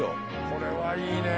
これはいいねえ。